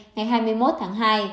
ngày hai mươi một tháng hai